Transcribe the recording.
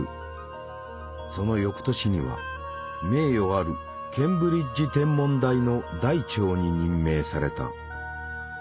その翌年には名誉あるケンブリッジ天文台の台長に任命された。